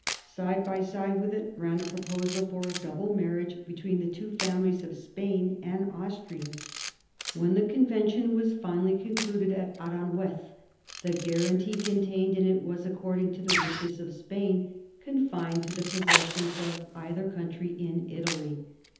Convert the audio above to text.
Side by side with it ran a proposal for a double marriage between the two families of Spain and 94 MARIA THERESA chap, v Austria. When the convention was finally concluded at Aranjuez the guarantee contained in it was, according to the wishes of Spain, confined to the possessions of either country in Italy.